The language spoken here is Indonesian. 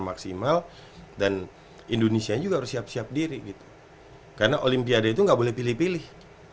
maksimal dan indonesia juga harus siap siap diri gitu karena olimpiade itu nggak boleh pilih pilih